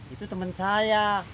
itu temen saya